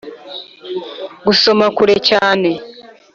gusoma kure cyane